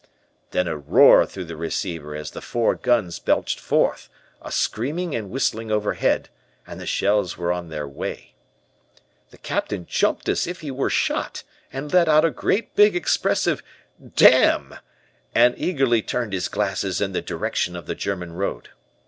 "Then a roar through the receiver as the four guns belched forth, a screaming and whistling overhead, and the shells were on their way. "The Captain jumped as if he were shot, and let out a great big expressive 'Damn,' and eagerly turned his glasses in the direction of the German road.